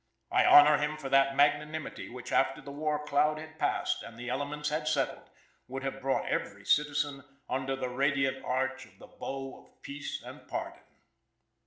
I honor him for that magnanimity which after the war cloud had passed, and the elements had settled, would have brought every citizen under the radiant arch of the bow of peace and pardon."